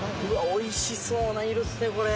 おいしそうな色っすねこれ。